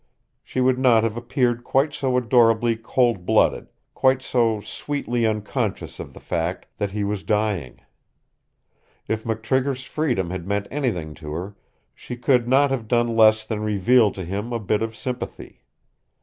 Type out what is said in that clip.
She would not have appeared quite so adorably cold blooded, quite so sweetly unconscious of the fact that he was dying. If McTrigger's freedom had meant anything to her, she could not have done less than reveal to him a bit of sympathy.